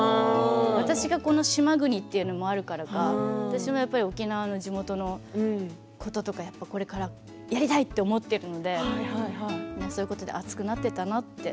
私が、この島国というのもあるからか私も沖縄の地元のこととかこれからやりたいと思っているのでそういうことで熱くなっていたなって。